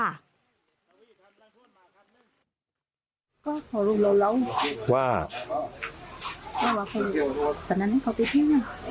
พี่ชายไปอ๋อคนตายนี่คือพี่ชายใช่ไหม